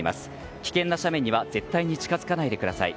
危険な斜面には絶対に近づかないでください。